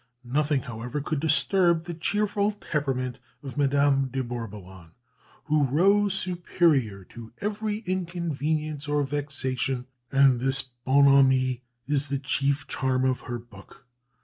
Nothing, however, could disturb the cheerful temperament of Madame de Bourboulon, who rose superior to every inconvenience or vexation, and this bonhommie is the chief charm of her book.